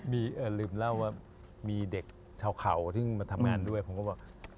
มีลืมเล่าว่ามีเด็กชาวเขาซึ่งมาทำงานด้วยผมก็บอก